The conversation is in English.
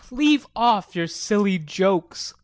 Leave off your silly jokes!